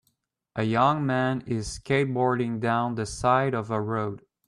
a young man is skateboarding down the side of a road.